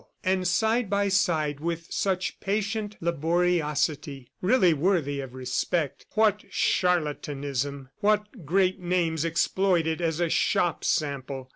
And side by side with such patient laboriosity, really worthy of respect what charlatanism! What great names exploited as a shop sample!